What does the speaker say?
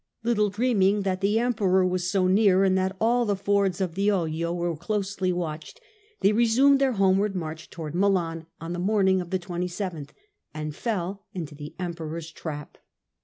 Little dreaming that the Emperor was so near, and that all the fords of the Oglio THE CONQUEROR 153 were closely watched, they resumed their homeward march towards Milan on the morning of the 2yth and fell into the Emperor's trap.